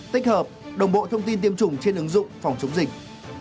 tích hợp đồng bộ thông tin tiêm chủng trên ứng dụng phòng chống dịch